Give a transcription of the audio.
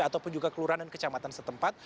ataupun juga kelurahan dan kecamatan setempat